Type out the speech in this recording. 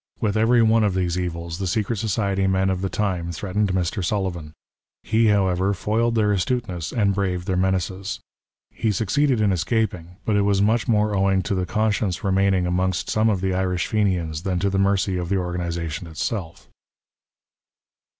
With every one of these evils the secret society men of the time threatened Mr. Sullivan. He, however, foiled their astuteness, and braved their menaces. He succeeded in escaping ; but it was much more owing to the con science remaining amongst some of the Irish Fenians than to the mercy of the organization itself.